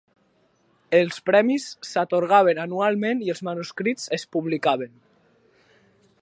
Els premis s'atorgaven anualment i els manuscrits es publicaven.